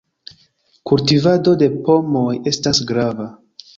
Kultivado de pomoj estas grava.